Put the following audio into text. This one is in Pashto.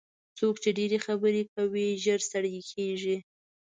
څوک چې ډېرې خبرې کوي ژر ستړي کېږي.